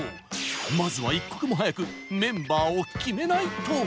まずは、一刻も早くメンバーを決めないと！